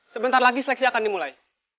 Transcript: sebentar lagi seleksi akan dimulai